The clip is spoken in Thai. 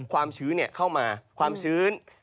ความชื้นเข้ามาความชื้น